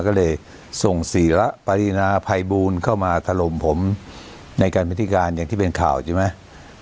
ก็เลยส่งศีระปรินาภัยบูลเข้ามาถล่มผมในการพิธีการอย่างที่เป็นข่าวใช่ไหม